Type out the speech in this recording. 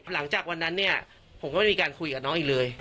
หลังจากวันนั้นเนี่ยผมก็ไม่มีการคุยกับน้องอีกเลย